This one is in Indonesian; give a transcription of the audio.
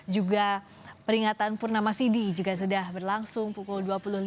juga peringatan purnama sidi juga sudah berlangsung pukul dua puluh lima